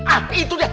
ah itu dia